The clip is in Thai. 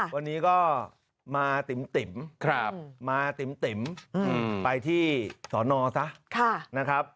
วันนี้ก็มาติ่มไปที่สรณซะนะครับ